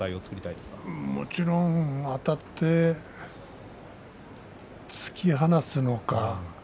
もちろん、あたって突き放すのか